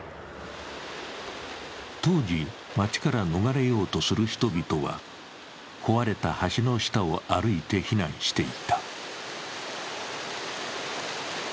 当時、街から逃れようとする人々は壊れた橋の下を歩いて避難していた。